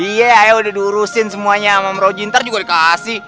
iya ayo udah diurusin semuanya sama amroji ntar juga dikasih